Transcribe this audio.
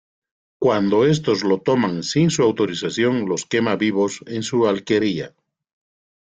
Cuando estos lo toman sin su autorización, los quema vivos en su alquería.